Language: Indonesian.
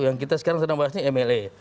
yang kita sekarang sedang bahas ini mla